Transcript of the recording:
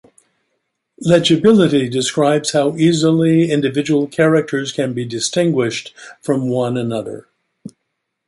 "Legibility" describes how easily individual characters can be distinguished from one another.